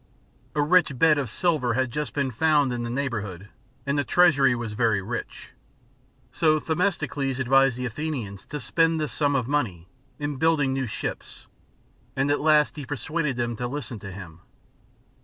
A rich bed of silver had just been found in the neighbourhood, and the treasury was vei^ rich ; so Themistocles advised the Athenians to spend this sum of money, in building new ships, and at last he persuaded them to listen to him.